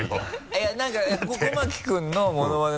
いやなんか小牧君のものまね